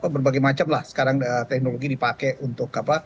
berbagai macam lah sekarang teknologi dipatang